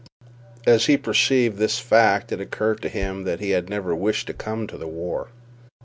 As he perceived this fact it occurred to him that he had never wished to come to the war.